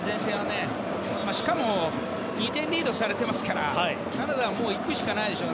しかも２点リードされていますからカナダは行くしかないでしょう。